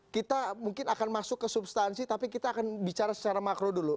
kita mungkin akan masuk ke substansi tapi kita akan bicara secara makro dulu